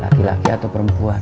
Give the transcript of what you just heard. laki laki atau perempuan